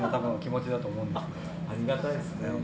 ありがたいですね。